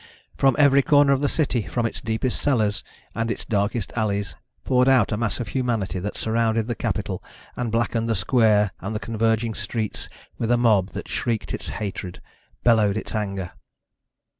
From every corner of the city, from its deepest cellars and its darkest alleys, poured out a mass of humanity that surrounded the capitol and blackened the square and the converging streets with a mob that shrieked its hatred, bellowed its anger.